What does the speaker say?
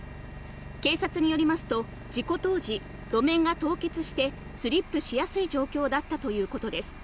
警察によりますと、事故当時、路面が凍結してスリップしやすい状況だったということです。